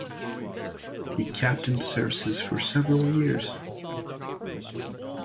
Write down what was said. He captained Services for several years.